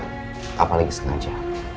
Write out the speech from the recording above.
sama sekali apalagi sengaja